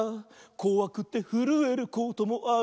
「こわくてふるえることもある」